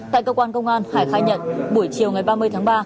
tại cơ quan công an hải khai nhận buổi chiều ngày ba mươi tháng ba